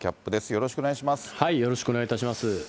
よろしくお願いします。